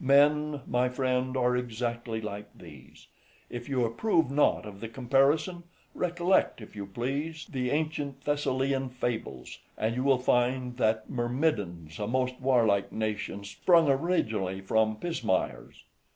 Men, my friend, are exactly like these: if you approve not of the comparison, recollect, if you please, the ancient Thessalian fables, and you will find that the Myrmidons, a most warlike nation, sprung originally from pismires.